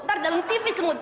ntar dalam tv semut